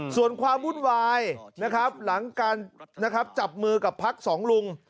ส่วนความวุ่นวายนะครับหลังการนะครับจับมือกับพักสองลุง